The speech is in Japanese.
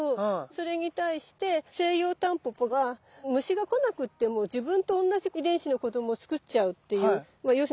それに対してセイヨウタンポポは虫が来なくっても自分と同じ遺伝子の子どもを作っちゃうっていう。